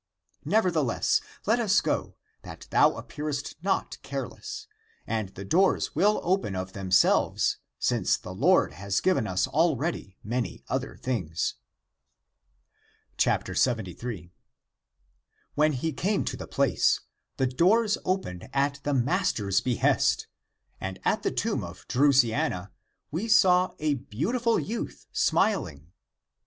Nevertheless, let us go, that thou appearest not careless, and the doors will open of themselves, since the Lord has given us already many other things." 'jT^. When we came to the place, the doors opened at the master's behest, and at the tomb of Drusiana we saw a beautiful youth smiling.